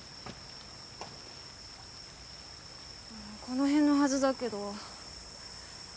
この辺のはずだけど。